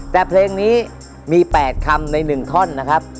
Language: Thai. แต่เพลงนี้มี๘คำใน๑ท่อนนะครับ